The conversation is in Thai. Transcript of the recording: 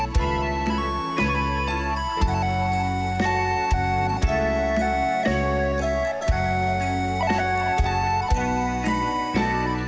จริงก้าวให้เดินไป